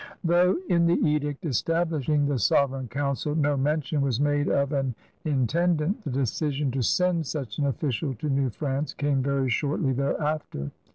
Though, in the edict establishing the Sovereign Council, no mention was made of an intendant, the decision to send such an official to New France came very shortly thereafter.